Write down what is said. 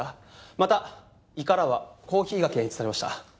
また胃からはコーヒーが検出されました。